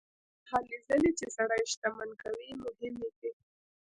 هغه هلې ځلې چې سړی شتمن کوي مهمې دي.